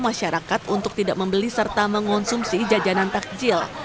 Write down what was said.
masyarakat untuk tidak membeli serta mengonsumsi jajanan takjil